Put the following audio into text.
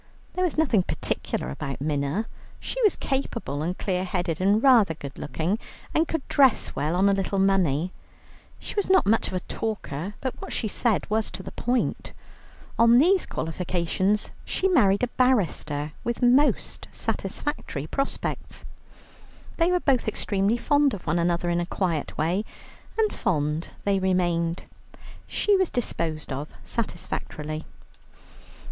There was nothing particular about Minna. She was capable, and clear headed, and rather good looking, and could dress well on a little money. She was not much of a talker, but what she said was to the point. On these qualifications she married a barrister with most satisfactory prospects. They were both extremely fond of one another in a quiet way, and fond they remained. She was disposed of satisfactorily.